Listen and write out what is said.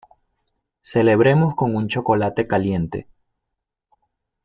Celebremos con un chocolate caliente.